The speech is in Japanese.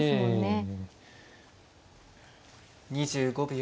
２５秒。